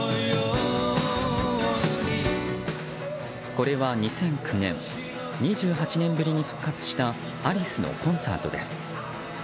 これは２００９年２８年ぶりに復活したアリスのコンサートです。